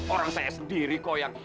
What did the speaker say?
orang saya sendiri kok yang